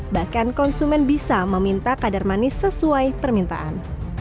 bahkan konsumen bisa meminta kadar manis sesuai permintaan